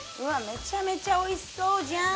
めちゃめちゃおいしそうじゃん・